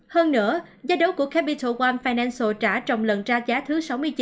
hơn nữa gia đấu của capital one financial trả trồng lần ra giá thứ sáu mươi chín